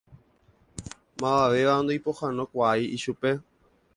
Mavavéva noipohãnokuaái ichupe.